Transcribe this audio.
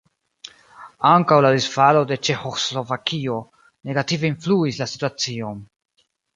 Ankaŭ la disfalo de Ĉeĥoslovakio negative influis la situacion.